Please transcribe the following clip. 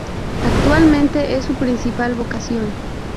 Actualmente es su principal vocación.